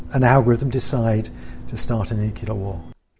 dan algoritma memutuskan untuk memulai perang nuklir